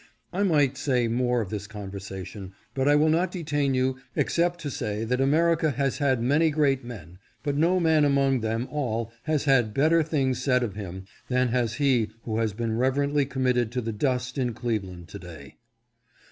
I might say more of this conversation, but I will not detain you except to say that America has had many great men, but no man among them all has had better things said of him than has he who has been reverently committed to the dust in Cleveland to day."